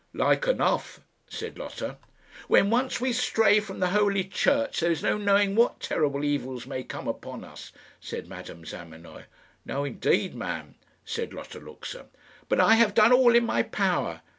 "Like enough," said Lotta. "When once we stray from the Holy Church, there is no knowing what terrible evils may come upon us," said Madame Zamenoy. "No indeed, ma'am," said Lotta Luxa. "But I have done all in my power."